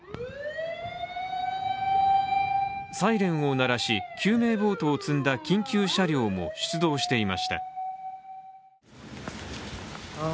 サイレンを鳴らし、救命ボートを積んだ緊急車両も出動していました。